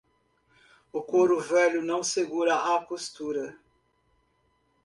O couro velho não segura a costura.